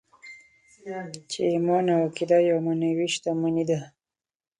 چې ايمان او عقیده يوه معنوي شتمني ده.